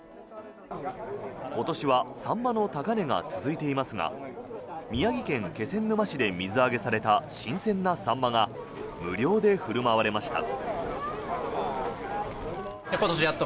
今年はサンマの高値が続いていますが宮城県気仙沼市で水揚げされた新鮮なサンマが無料で振る舞われました。